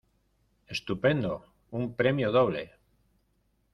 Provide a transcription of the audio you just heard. ¡ Estupendo, un premio doble!